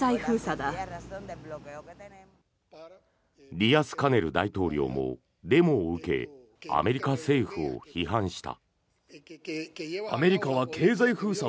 ディアスカネル大統領もデモを受けアメリカ政府を批判した。